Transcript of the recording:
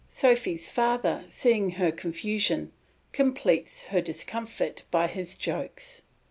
Sophy's father, seeing her confusion, completes her discomfiture by his jokes.